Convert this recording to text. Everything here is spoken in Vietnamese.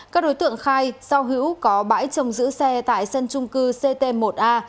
các đối tượng khai sau hữu có bãi trồng giữ xe tại sân trung cư ct một a